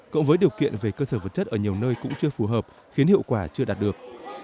cộng với điều kiện về cơ sở vật chất ở nhiều nơi cũng chưa phù hợp khiến hiệu quả chưa đạt được